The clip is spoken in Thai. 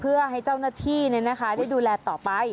เพื่อให้เจ้าหน้าที่ได้ดูแลต่อไป